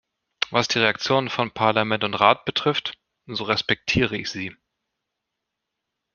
Was die Reaktionen von Parlament und Rat betrifft, so respektiere ich sie.